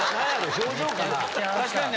表情かな？